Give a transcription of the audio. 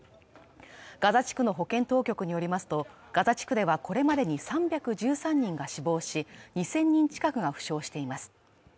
ガザ地区の保健当局によりますとガザ地区ではこれまでに３１３人が死亡し、２０００人近くが負傷しています。